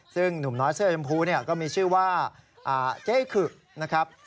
ซึ่งหนุ่มน้อยเสื้อชมพูเนี่ยก็มีชื่อว่าเจ๊ขึกนะครับ